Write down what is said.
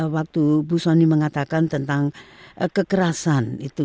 waktu bu sony mengatakan tentang kekerasan itu